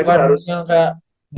emang itu harus